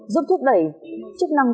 giúp thúc đẩy chức năng